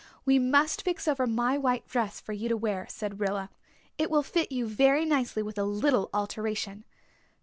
"We must fix over my white dress for you to wear," said Rilla. "It will fit you very nicely with a little alteration."